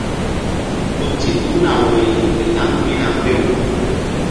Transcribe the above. Ku ti ɗukna woyri ke nam pihna mbew.